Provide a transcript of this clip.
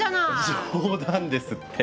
冗談ですって。